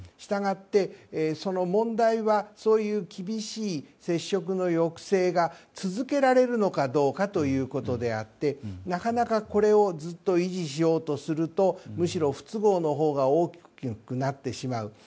従って、その問題は厳しい接触の抑制が続けられるのかどうかということであってなかなかこれをずっと維持しようとするとむしろ不都合のほうが大きくなってしまう。